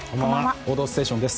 「報道ステーション」です。